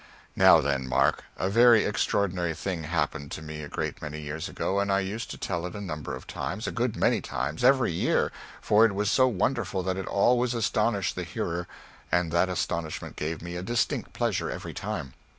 "Now then, Mark, a very extraordinary thing happened to me a great many years ago, and I used to tell it a number of times a good many times every year, for it was so wonderful that it always astonished the hearer, and that astonishment gave me a distinct pleasure every time.